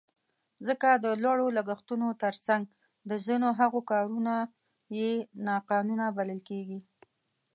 ځکه د لوړو لګښتونو تر څنګ د ځینو هغو کارونه یې ناقانونه بلل کېږي.